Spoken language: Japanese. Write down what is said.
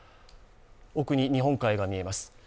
奥に日本海が見えます。